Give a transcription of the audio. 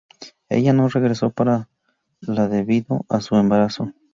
Ella no regresó para la debido a su embarazo.